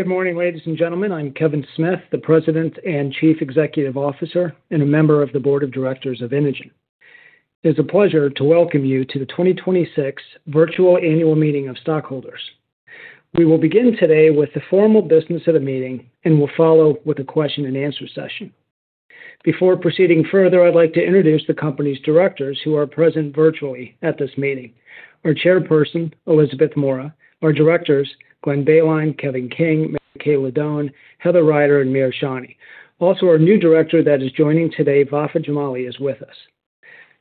Good morning, ladies and gentlemen. I'm Kevin Smith, the President and Chief Executive Officer, and a member of the Board of Directors of Inogen. It is a pleasure to welcome you to the 2026 Virtual Annual Meeting of Stockholders. We will begin today with the formal business of the meeting and will follow with a question-and-answer session. Before proceeding further, I'd like to introduce the company's Directors who are present virtually at this meeting. Our Chairperson, Elizabeth Mora. Our Directors, Glenn Boehnlein, Kevin King, Mary Kay Ladone, Heather Rider, and Mira Sahney. Also, our new Director that is joining today, Vafa Jamali, is with us.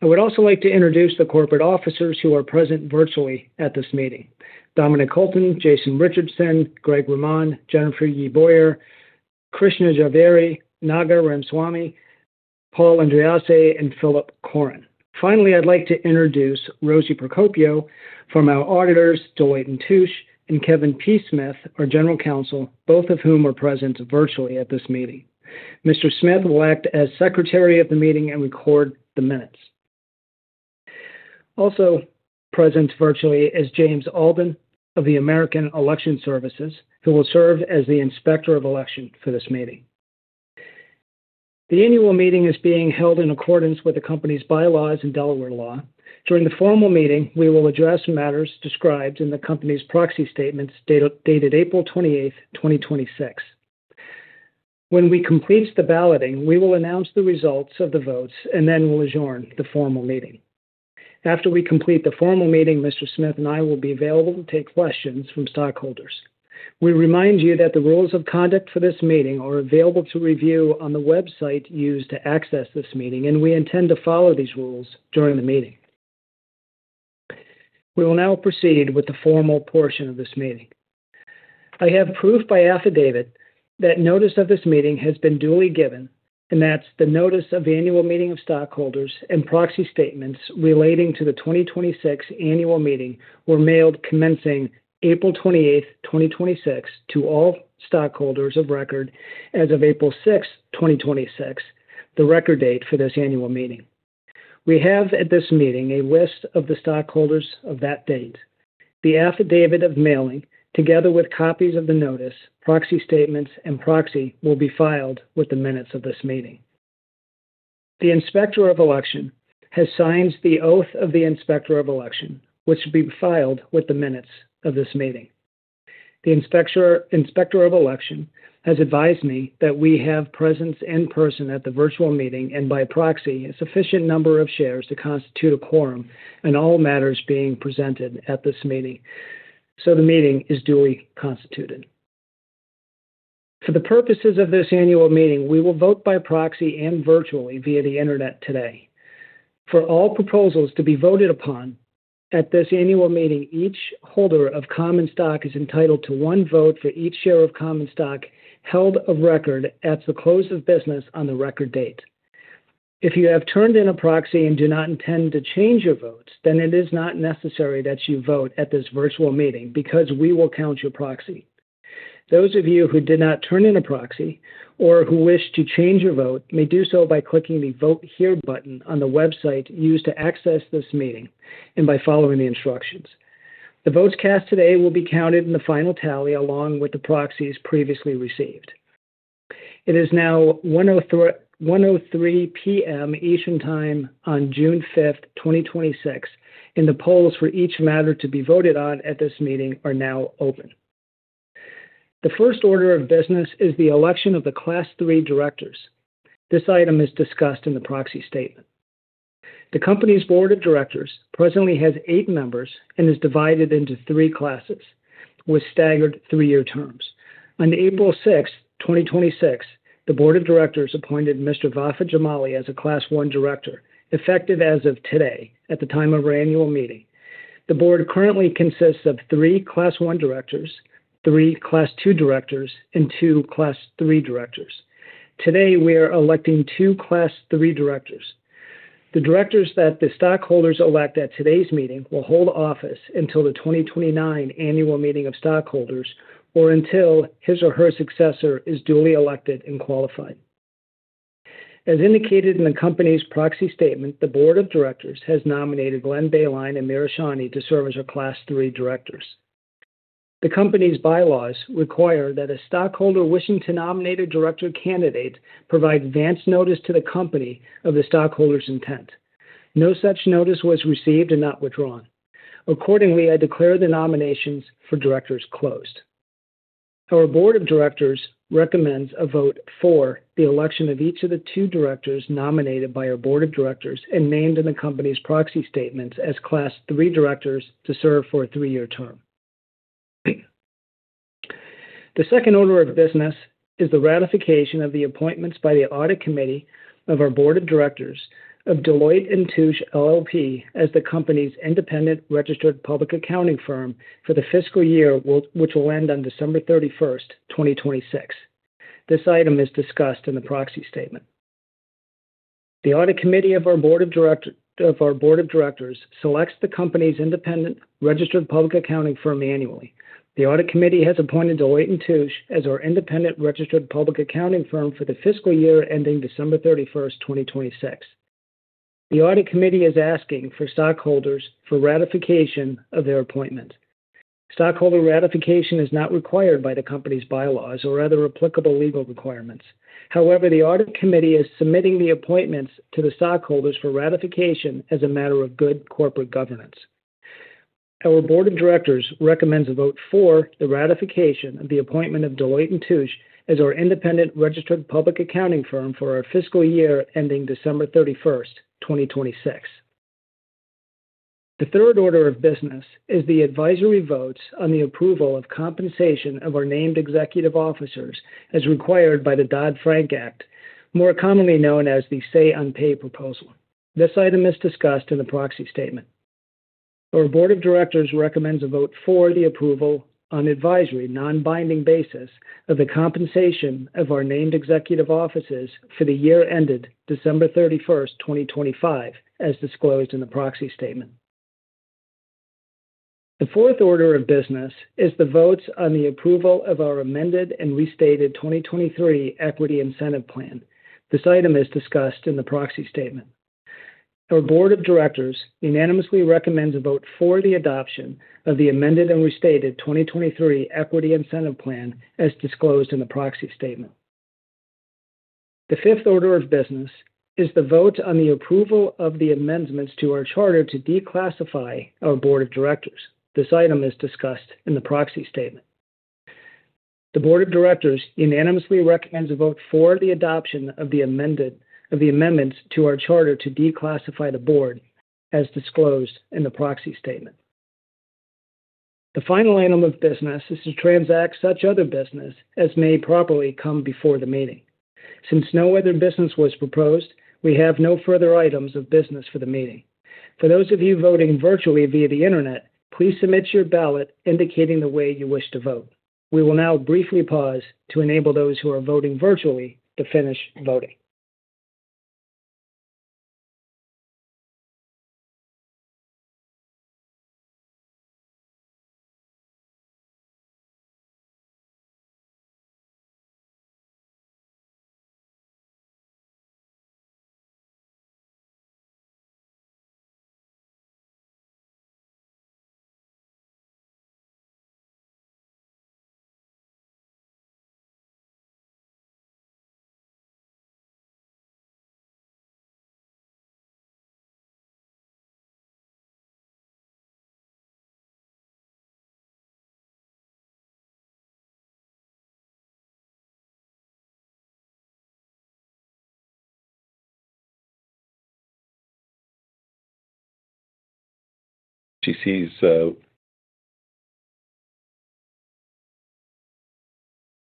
I would also like to introduce the corporate Officers who are present virtually at this meeting. Dominic Hulton, Jason Richardson, Greg Ramade, Jennifer Yi Boyer, Krishna Jhaveri, Naga Rameswamy, Paul Andreassi, and Philip Corrin. Finally, I'd like to introduce Rosie Procopio from our auditors, Deloitte & Touche, and Kevin P. Smith, our general counsel, both of whom are present virtually at this meeting. Mr. Smith will act as Secretary of the meeting and record the minutes. Also present virtually is James Alban of the American Election Services, who will serve as the Inspector of Election for this meeting. The annual meeting is being held in accordance with the company's bylaws and Delaware law. During the formal meeting, we will address matters described in the company's proxy statements, dated April 28th, 2026. When we complete the balloting, we will announce the results of the votes and then will adjourn the formal meeting. After we complete the formal meeting, Mr. Smith and I will be available to take questions from stockholders. We remind you that the rules of conduct for this meeting are available to review on the website used to access this meeting, and we intend to follow these rules during the meeting. We will now proceed with the formal portion of this meeting. I have proof by affidavit that notice of this meeting has been duly given, and that the notice of the annual meeting of stockholders and proxy statements relating to the 2026 annual meeting were mailed commencing April 28th, 2026, to all stockholders of record as of April 6th, 2026, the record date for this annual meeting. We have at this meeting a list of the stockholders of that date. The affidavit of mailing, together with copies of the notice, proxy statements, and proxy, will be filed with the minutes of this meeting. The Inspector of Election has signed the oath of the Inspector of Election, which will be filed with the minutes of this meeting. The Inspector of Election has advised me that we have presence in person at the virtual meeting and by proxy, a sufficient number of shares to constitute a quorum on all matters being presented at this meeting. The meeting is duly constituted. For the purposes of this annual meeting, we will vote by proxy and virtually via the internet today. For all proposals to be voted upon at this annual meeting, each holder of common stock is entitled to one vote for each share of common stock held of record at the close of business on the record date. If you have turned in a proxy and do not intend to change your votes, then it is not necessary that you vote at this virtual meeting because we will count your proxy. Those of you who did not turn in a proxy or who wish to change your vote may do so by clicking the Vote Here button on the website used to access this meeting and by following the instructions. The votes cast today will be counted in the final tally, along with the proxies previously received. It is now 1:03 P.M. Eastern Time on June 5th, 2026, and the polls for each matter to be voted on at this meeting are now open. The first order of business is the election of the Class III directors. This item is discussed in the Proxy Statement. The company's board of directors presently has eight members and is divided into three Classes with staggered three-year terms. On April 6th, 2026, the board of directors appointed Mr. Vafa Jamali as a Class I director, effective as of today at the time of our annual meeting. The board currently consists of three Class I directors, three Class II directors, and two Class III directors. Today, we are electing two Class III directors. The directors that the stockholders elect at today's meeting will hold office until the 2029 annual meeting of stockholders or until his or her successor is duly elected and qualified. As indicated in the company's proxy statement, the board of directors has nominated Glenn Boehnlein and Mira Sahney to serve as our Class III directors. The company's bylaws require that a stockholder wishing to nominate a director candidate provide advance notice to the company of the stockholder's intent. No such notice was received and not withdrawn. Accordingly, I declare the nominations for directors closed. Our board of directors recommends a vote for the election of each of the two directors nominated by our board of directors and named in the company's proxy statements as Class III directors to serve for a three-year term. The second order of business is the ratification of the appointments by the audit committee of our board of directors of Deloitte & Touche LLP as the company's independent registered public accounting firm for the fiscal year which will end on December 31st, 2026. This item is discussed in the proxy statement. The audit committee of our board of directors selects the company's independent registered public accounting firm annually. The audit committee has appointed Deloitte & Touche as our independent registered public accounting firm for the fiscal year ending December 31st, 2026. The audit committee is asking for stockholders for ratification of their appointment. Stockholder ratification is not required by the company's bylaws or other applicable legal requirements. However, the audit committee is submitting the appointments to the stockholders for ratification as a matter of good corporate governance. Our board of directors recommends a vote for the ratification of the appointment of Deloitte & Touche as our independent registered public accounting firm for our fiscal year ending December 31st, 2026. The third order of business is the advisory votes on the approval of compensation of our named executive officers as required by the Dodd-Frank Act, more commonly known as the Say-on-Pay proposal. This item is discussed in the proxy statement. Our Board of Directors recommends a vote for the approval on advisory non-binding basis of the compensation of our named executive officers for the year ended December 31st, 2025, as disclosed in the proxy statement. The fourth order of business is the votes on the approval of our Amended and Restated 2023 Equity Incentive Plan. This item is discussed in the proxy statement. Our Board of Directors unanimously recommends a vote for the adoption of the Amended and Restated 2023 Equity Incentive Plan as disclosed in the proxy statement. The fifth order of business is the vote on the approval of the amendments to our charter to declassify our Board of Directors. This item is discussed in the proxy statement. The Board of Directors unanimously recommends a vote for the adoption of the amendments to our charter to declassify the Board as disclosed in the proxy statement. The final item of business is to transact such other business as may properly come before the meeting. Since no other business was proposed, we have no further items of business for the meeting. For those of you voting virtually via the internet, please submit your ballot indicating the way you wish to vote. We will now briefly pause to enable those who are voting virtually to finish voting. She sees-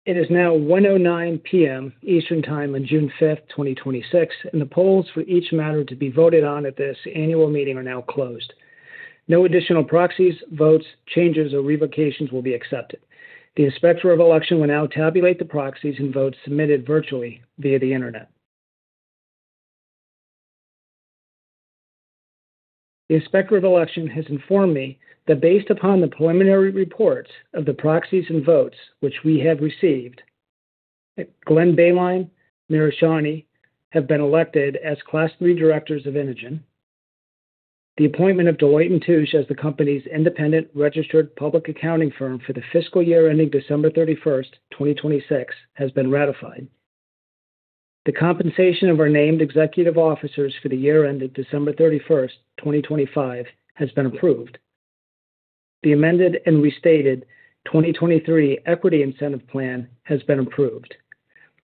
It is now 1:09 P.M. Eastern Time on June 5th, 2026, and the polls for each matter to be voted on at this annual meeting are now closed. No additional proxies, votes, changes, or revocations will be accepted. The inspector of election will now tabulate the proxies and votes submitted virtually via the internet. The inspector of election has informed me that based upon the preliminary reports of the proxies and votes which we have received, Glenn Boehnlein, Mira Sahney have been elected as Class III directors of Inogen. The appointment of Deloitte & Touche as the company's independent registered public accounting firm for the fiscal year ending December 31st, 2026, has been ratified. The compensation of our named executive officers for the year ended December 31st, 2025, has been approved. The Amended and Restated 2023 Equity Incentive Plan has been approved.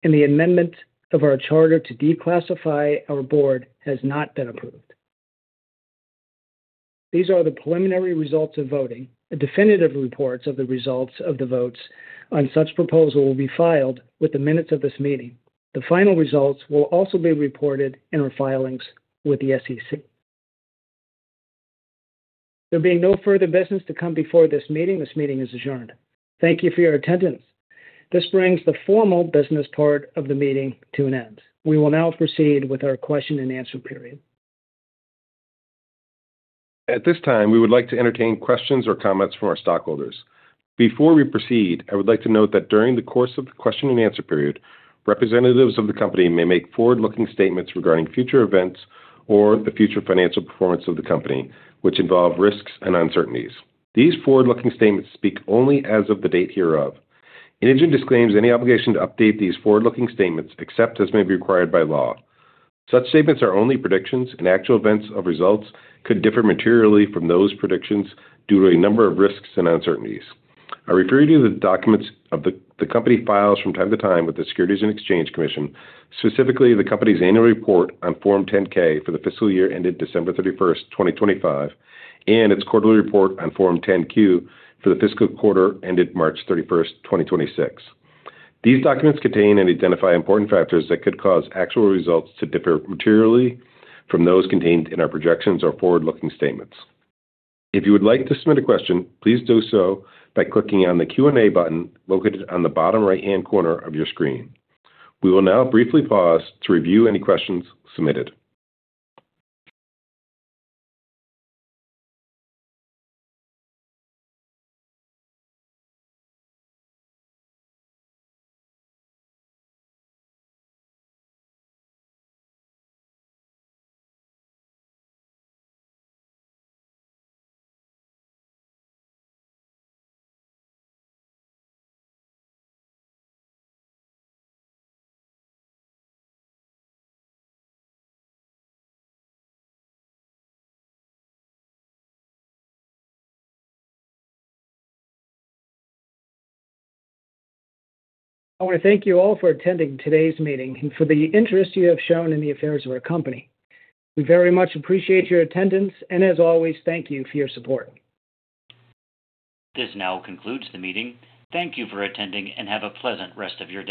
The amendment of our charter to declassify our board has not been approved. These are the preliminary results of voting. The definitive reports of the results of the votes on such proposal will be filed with the minutes of this meeting. The final results will also be reported in our filings with the SEC. There being no further business to come before this meeting, this meeting is adjourned. Thank you for your attendance. This brings the formal business part of the meeting to an end. We will now proceed with our question-and-answer period. At this time, we would like to entertain questions or comments from our stockholders. Before we proceed, I would like to note that during the course of the question-and-answer period, representatives of the company may make forward-looking statements regarding future events or the future financial performance of the company, which involve risks and uncertainties. These forward-looking statements speak only as of the date hereof. Inogen disclaims any obligation to update these forward-looking statements except as may be required by law. Such statements are only predictions, and actual events of results could differ materially from those predictions due to a number of risks and uncertainties. I refer you to the documents the company files from time to time with the Securities and Exchange Commission, specifically the company's annual report on Form 10-K for the fiscal year ended December 31st, 2025, and its quarterly report on Form 10-Q for the fiscal quarter ended March 31st, 2026. These documents contain and identify important factors that could cause actual results to differ materially from those contained in our projections or forward-looking statements. If you would like to submit a question, please do so by clicking on the Q&A button located on the bottom right-hand corner of your screen. We will now briefly pause to review any questions submitted. I want to thank you all for attending today's meeting and for the interest you have shown in the affairs of our company. We very much appreciate your attendance, and as always, thank you for your support. This now concludes the meeting. Thank you for attending, and have a pleasant rest of your day.